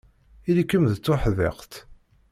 Ili-kem d tuḥdiqt.